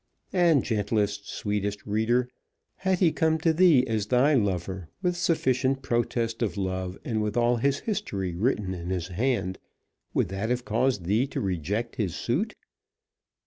And gentlest, sweetest reader, had he come to thee as thy lover, with sufficient protest of love, and with all his history written in his hand, would that have caused thee to reject his suit?